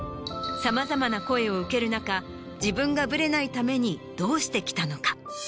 さまざまな声を受ける中自分がぶれないためにどうしてきたのか。